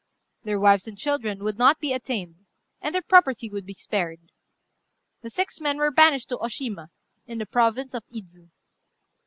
Their wives and children would not be attainted, and their property would be spared. The six men were banished to Oshima, in the province of Idzu.